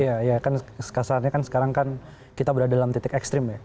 iya kan sekarang kita berada dalam titik ekstrim ya